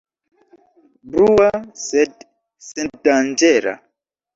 Brua, sed sendanĝera.